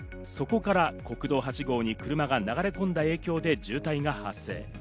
そこから国道８号に車が流れ込んだ影響で渋滞が発生。